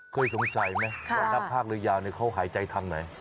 เคยสงสัยไหมว่านักภาคเรือยาวเขาหายใจทางไหน